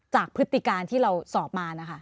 พฤติการที่เราสอบมานะคะ